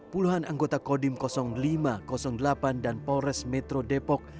puluhan anggota kodim lima ratus delapan dan polres metro depok